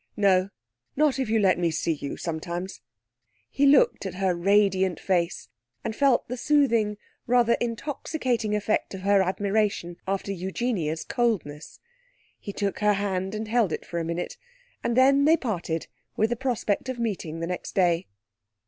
'No, not if you let me sec you sometimes.' He looked at her radiant face and felt the soothing, rather intoxicating, effect of her admiration after Eugenia's coldness.... He took her hand and held it for a minute, and then they parted with the prospect of meeting the next day.